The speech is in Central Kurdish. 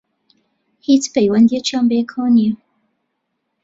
هیچ پەیوەندییەکیان بەیەکەوە نییە